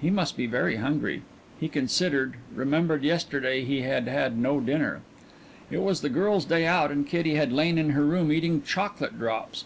He must be very hungry. He considered remembered yesterday he had had no dinner. It was the girl's day out and Kitty had lain in her room eating chocolate drops.